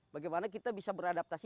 bagaimana kita bisa beradaptasi